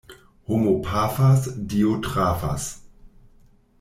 Homo pafas, Dio trafas.